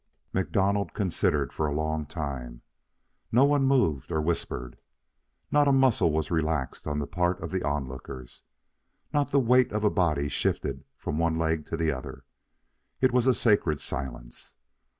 MacDonald considered for a long time. No one moved or whispered. Not a muscle was relaxed on the part of the onlookers. Not the weight of a body shifted from one leg to the other. It was a sacred silence.